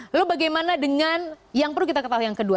lalu bagaimana dengan yang perlu kita ketahui yang kedua